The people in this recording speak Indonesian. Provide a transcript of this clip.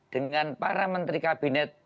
dengan para menteri kabinet